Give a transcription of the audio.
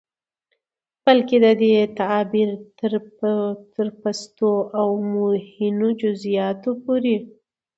بلکې د دې تعبير تر پستو او مهينو جزيىاتو پورې